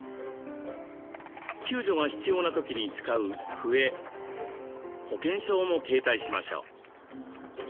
救助が必要な時に使う笛保険証も携帯しましょう。